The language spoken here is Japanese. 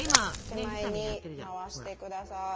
手前に回してください。